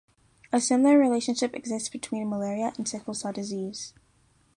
A similar relationship exists between malaria and sickle-cell disease.